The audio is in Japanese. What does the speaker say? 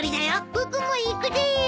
僕も行くです！